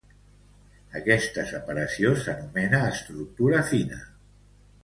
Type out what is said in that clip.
Aquesta separació s'anomena estructura fina.